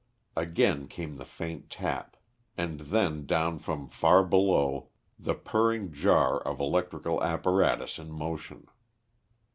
Again came the faint tap, and then down from far below the purring jar of electrical apparatus in motion.